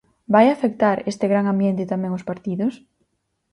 Vai afectar este gran ambiente tamén aos partidos?